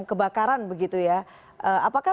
kebakaran begitu ya apakah